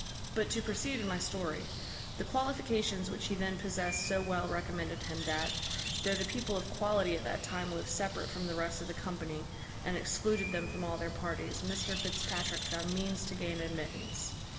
But to proceed in my story: the qualifications which he then possessed so well recommended him, that, though the people of quality at that time lived separate from the rest of the company, and excluded them from all their parties, Mr Fitzpatrick found means to gain admittance.